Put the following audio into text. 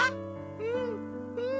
うんうん。